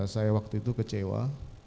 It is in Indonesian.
saya waktu itu kecewa